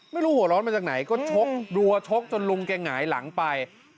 ไม่รู้หัวร้อนมาจากไหนก็ชกดัวชกจนลุงแกหงายหลังไป